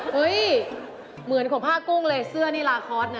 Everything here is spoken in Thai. เฮ้ยเหมือนของผ้ากุ้งเลยเสื้อนี่ลาคอร์สนะ